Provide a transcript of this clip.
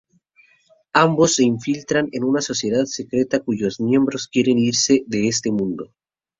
Ambos se infiltran en una sociedad secreta cuyos miembros quieren irse de este mundo.